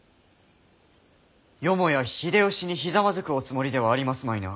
よもや秀吉にひざまずくおつもりではありますまいな？